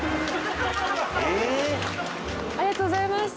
ありがとうございます。